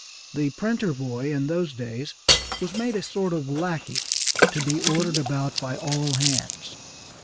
The printer boy in those days was made a sort of lackey to be ordered about by all hands.